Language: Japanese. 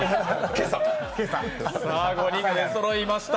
５人が出そろいました。